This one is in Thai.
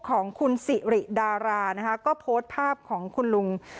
ของคุณสิริดารานะคะก็โพสต์ภาพของคุณลุง